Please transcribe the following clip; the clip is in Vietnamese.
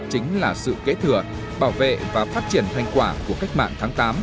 chính là sự kế thừa bảo vệ và phát triển thành quả của cách mạng tháng tám